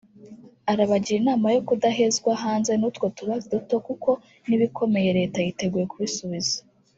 arabagira inama yo kudahezwa hanze n’utwo tubazo duto kuko n’ibikomeye leta yiteguye kubisubiza